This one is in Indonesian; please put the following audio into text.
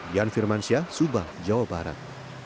dian firmansyah subang jawa barat